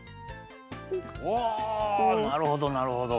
おなるほどなるほど。